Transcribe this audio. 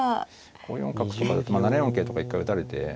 ５四角とかだと７四桂とか一回打たれて。